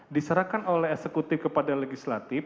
diserahkan oleh eksekutif kepada legislatif